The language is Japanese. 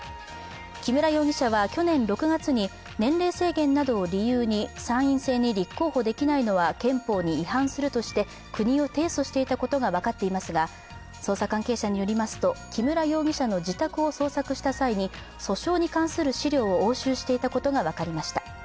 木村容疑者は去年６月に年齢制限などを理由に参院選に立候補できないのは憲法に違反するとして国を提訴していたことが分かっていますが、捜査関係者によりますと木村容疑者の自宅を捜索した際に訴訟に関する資料を押収していたことが分かりました。